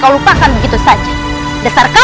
tapi dia tidak bisa berkata seenak